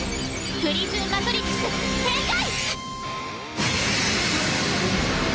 プリズンマトリックス展開！